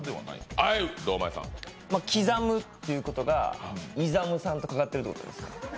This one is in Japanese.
刻むっていうことがＩＺＡＭさんとかかってるってことですか？